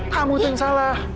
kamu tuh yang salah